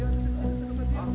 berjalan terus berjalan